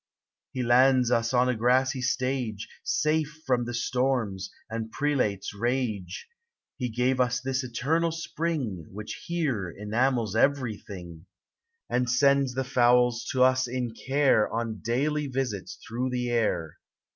He lands us on a grassy stage, Safe from the storms, and prelate's rage; He gave us this eternal spring Which here enamels everything, And sends the fowls to us in care On dailv visits through the air.